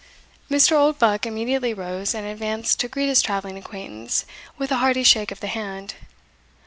Mr. Oldbuck immediately rose, and advanced to greet his travelling acquaintance with a hearty shake of the hand.